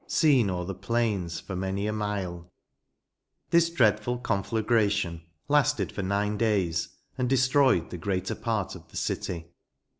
Seen o*er the plains for many a mile" This dreadful conflagration lasted for nine days, and destroyed the greater part of the city.